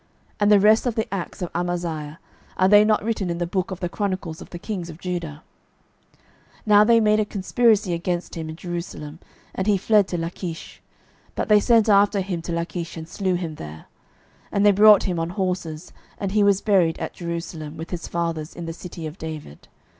12:014:018 And the rest of the acts of Amaziah, are they not written in the book of the chronicles of the kings of Judah? 12:014:019 Now they made a conspiracy against him in Jerusalem: and he fled to Lachish; but they sent after him to Lachish, and slew him there. 12:014:020 And they brought him on horses: and he was buried at Jerusalem with his fathers in the city of David.